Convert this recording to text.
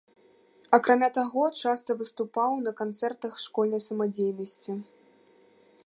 Акрамя таго, часта выступаў на канцэртах школьнай самадзейнасці.